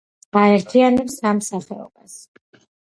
აერთიანებს სამ სახეობას.